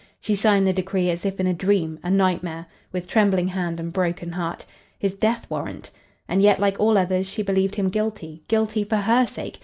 She signed the decree as if in a dream, a nightmare, with trembling hand and broken heart. His death warrant! And yet, like all others, she believed him guilty. Guilty for her sake!